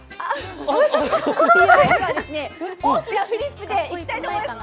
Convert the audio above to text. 大きなフリップでいきたいと思います。